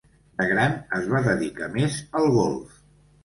De gran es va dedicar més al golf.